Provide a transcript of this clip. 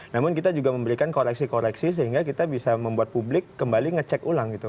namun kita juga memberikan koreksi koreksi sehingga kita bisa membuat publik kembali ngecek ulang gitu